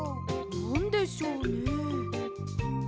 なんでしょうね？